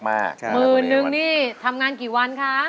หมื่นนึงนี่ทำงานกี่วันคะ